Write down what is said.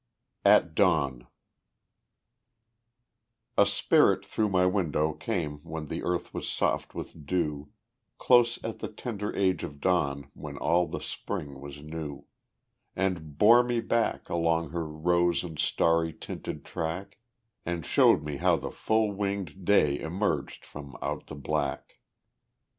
At Dawn A spirit through My window came when earth was soft with dew, Close at the tender edge of dawn when all The spring was new, And bore me back Along her rose and starry tinted track, And showed me how the full winged day emerged From out the black.